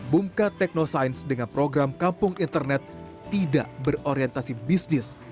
bumka teknosains dengan program kampung internet tidak berorientasi bisnis